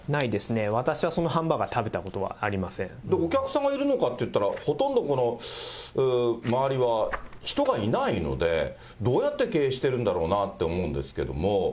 私はそのハンバーガー、食べたこお客さんがいるのかといったら、ほとんど周りは人がいないので、どうやって経営してるんだろうなと思うんですけれども。